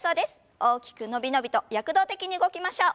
大きく伸び伸びと躍動的に動きましょう。